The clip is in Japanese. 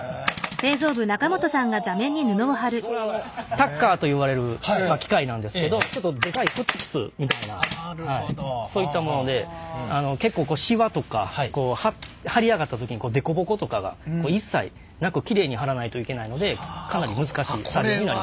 タッカーといわれる機械なんですけどちょっとでかいホッチキスみたいなそういったもので結構シワとか張り上がった時にデコボコとかが一切なくきれいに張らないといけないのでかなり難しい作業になります。